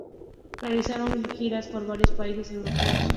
Realizaron giras por varios países europeos.